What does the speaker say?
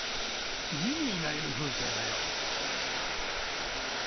「ジミーがいる風景」だよ。